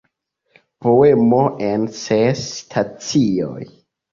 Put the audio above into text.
Poemo en ses stacioj".